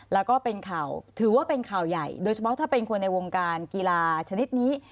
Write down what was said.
แล้วก็เป็นข่าวถือว่าเป็นข่าวใหญ่โดยเฉพาะถ้าเป็นคนในวงการกีฬาชนิดนี้